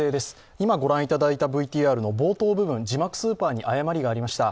今御覧いただいたＶＴＲの冒頭部分、字幕スーパーに誤りがありました。